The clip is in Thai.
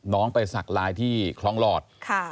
น้องไปศักดิ์ไลน์ที่คลองหลอด